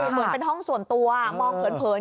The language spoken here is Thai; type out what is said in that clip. เหมือนเป็นห้องส่วนตัวมองเผิน